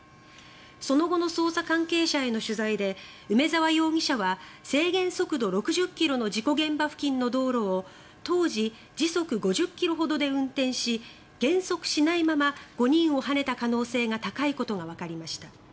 その後の捜査関係者への取材で梅沢容疑者は制限速度６０ｋｍの事故現場付近の道路を当時、時速５０ｋｍほどで運転し減速しないまま５人をはねた可能性が高いことがわかりました。